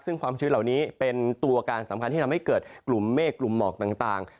ซึ่งความชื้นเหล่านี้เป็นตัวการสำคัญที่ทำให้เกิดกลุ่มเมฆกลุ่มหมอกต่าง